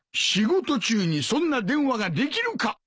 仕事中にそんな電話ができるか！